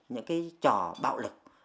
những cái trò bạo lực